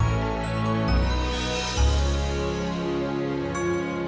tidak ibu akan kembali lagi kesini